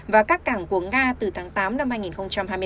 và các cảng của nga từ tháng tám năm hai nghìn hai mươi ba